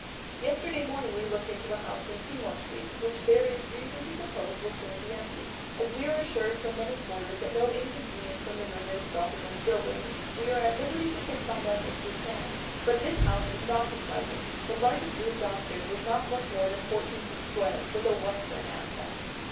"Yesterday morning we looked into a house in Seymour Street which there is reason to suppose will soon be empty; as we are assured from many quarters that no inconvenience from the river is felt in those buildings, we are at liberty to fix on them if we can. But this house was not inviting; the largest room downstairs was not much more than fourteen feet square, with a western aspect."